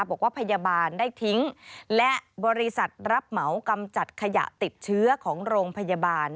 บอกว่าพยาบาลได้ทิ้งและบริษัทรับเหมากำจัดขยะติดเชื้อของโรงพยาบาล